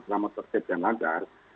selamat terkait dan langgar